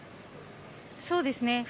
そうですね。